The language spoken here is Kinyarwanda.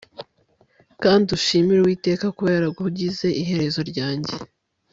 Kandi ushimire Uwiteka kuba yarakugize iherezo ryanjye